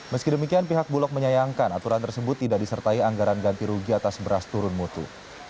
meski demikian pihak bulog menyayangkan aturan tersebut tidak disertai anggaran ganti rugi atas beras turun mutu